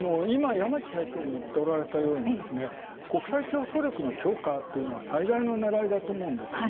今、山道社長も言っておられたように国際競争力強化というのは最大の狙いだと。